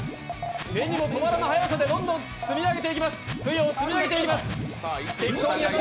目にも留まらぬ速さでどんどん積み上げていきます。